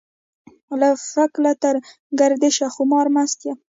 له فکله تر ګردشه خمار مست يم.